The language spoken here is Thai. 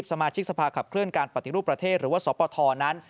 สมาชิกสภาขับเคลื่อนการปฏิรูปประเทศหรือว่าสปทนั้น